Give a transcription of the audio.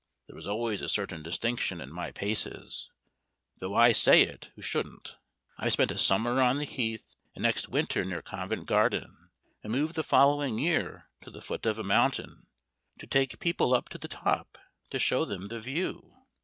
(There was always a certain distinction in my paces, Though I say it who shouldn't) I've spent a summer on the Heath, and next winter near Covent Garden, and moved the following year to the foot of a mountain, to take people up to the top to show them the view.